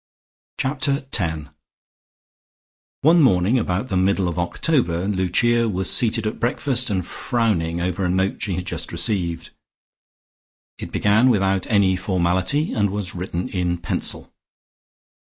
Chapter TEN One morning about the middle of October, Lucia was seated at breakfast and frowning over a note she had just received. It began without any formality and was written in pencil.